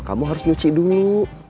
kamu harus nyuci dulu